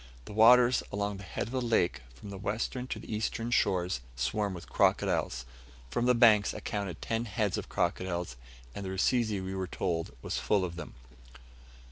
The waters along the head of the lake, from the western to the eastern shores, swarm with crocodiles. From the banks, I counted ten heads of crocodiles, and the Rusizi, we were told, was full of them.